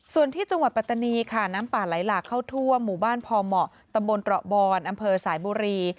ส่วนที่จังหวัดปัตตานีค่ะน้ำป่าไหลหลากเข้าทั่วหมู่บ้านพอเหมาะตำบลตระบอนอำเภอสายบุรี